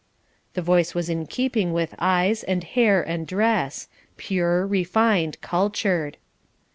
The voice was in keeping with eyes, and hair, and dress pure, refined, cultured.